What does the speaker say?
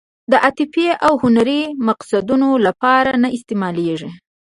د عاطفي او هنري مقصدونو لپاره نه استعمالېږي.